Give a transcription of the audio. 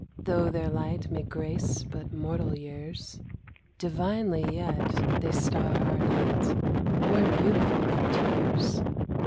Tho' their light May grace but mortal years, Divinely yet they star our night, More beautiful for tears.